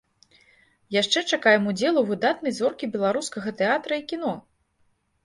Яшчэ чакаем удзелу выдатнай зоркі беларускага тэатра і кіно!